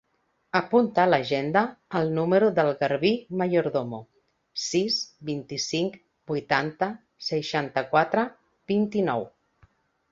Apunta a l'agenda el número del Garbí Mayordomo: sis, vint-i-cinc, vuitanta, seixanta-quatre, vint-i-nou.